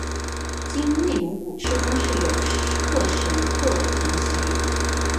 今内蒙古赤峰市有克什克腾旗。